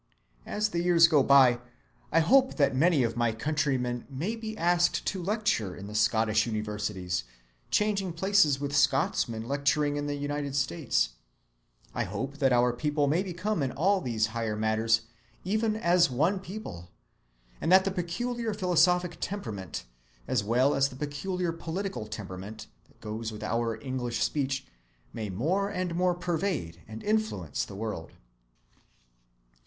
As the years go by, I hope that many of my countrymen may be asked to lecture in the Scottish universities, changing places with Scotsmen lecturing in the United States; I hope that our people may become in all these higher matters even as one people; and that the peculiar philosophic temperament, as well as the peculiar political temperament, that goes with our English speech may more and more pervade and influence the world.